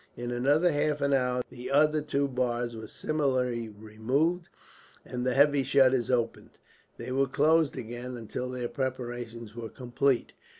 In another half hour the other two bars were similarly removed, and the heavy shutters opened. They were closed again, until their preparations were complete.